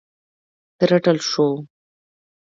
د رټل شوو